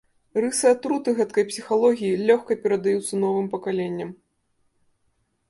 Рысы атруты гэткай псіхалогіі лёгка перадаюцца новым пакаленням.